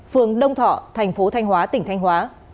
phường đông thọ thành phố thanh hóa tỉnh thanh hóa